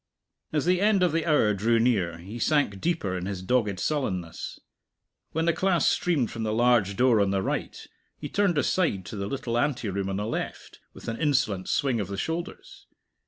As the end of the hour drew near, he sank deeper in his dogged sullenness. When the class streamed from the large door on the right, he turned aside to the little anteroom on the left, with an insolent swing of the shoulders.